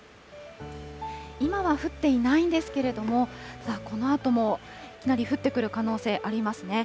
今は降っていないんですけれども、このあともいきなり降ってくる可能性ありますね。